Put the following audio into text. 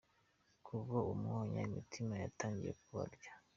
Kuva uwo mwanya imitima yatangiye kubarya.